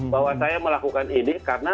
bahwa saya melakukan ini karena